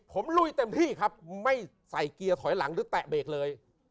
ผมลุยเต็มที่ครับไม่ใส่เกียร์ถอยหลังหรือแตะเบรกเลย